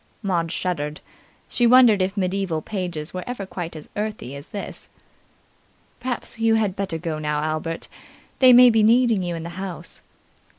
Maud shuddered. She wondered if medieval pages were ever quite as earthy as this. "Perhaps you had better go now, Albert. They may be needing you in the house."